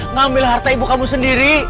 ngambil harta ibu kamu sendiri